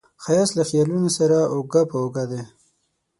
ښایست له خیالونو سره اوږه په اوږه دی